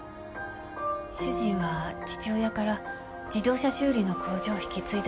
主人は父親から自動車修理の工場を引き継いだんですけど。